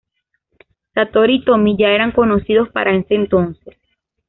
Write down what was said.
Satori y Tommy ya eran conocidos para ese entonces.